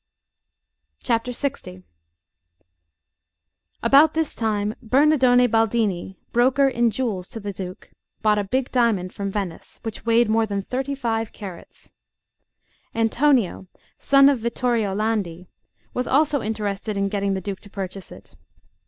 LX ABOUT this time Bernardone Baldini, broker in jewels to the Duke, brought a big diamond from Venice, which weighed more than thirty five carats. Antonio, son of Vittorio Landi, was also interested in getting the Duke to purchase it.